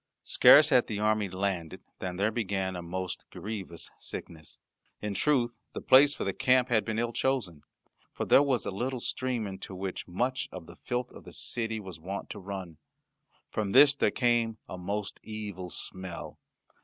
Scarce had the army landed than there began a most grievous sickness. In truth the place for the camp had been ill chosen, for there was a little stream into which much of the filth of the city was wont to run. From this there came a most evil smell.